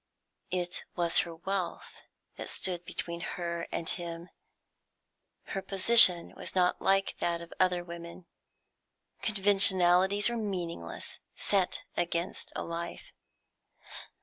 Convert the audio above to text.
It was her wealth that stood between her and him. Her position was not like that of other women. Conventionalities were meaningless, set against a life.